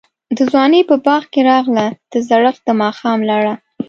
دځوانۍپه باغ می راغله، دزړښت دماښام لړه